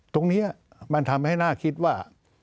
ตรงนี้มันทำให้น่าคิดว่า